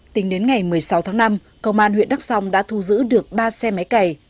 tính đến ngày một mươi sáu tháng năm công an huyện đắk song đã thu giữ được ba xe máy cày